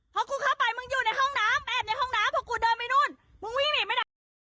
พอกูเข้าไปมึงอยู่ในห้องน้ำ